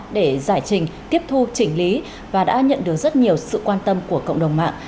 để giải trình tiếp thu chỉnh lý và đã nhận được rất nhiều sự quan tâm của cộng đồng mạng